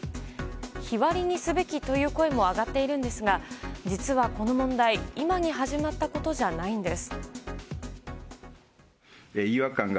日割りにすべきという声も上がっているんですが実は、この問題今に始まったことじゃないんです。